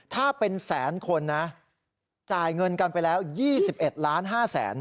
ถ้าเป็นแสนคนนะจ่ายเงินกันไปแล้ว๒๑ล้าน๕แสน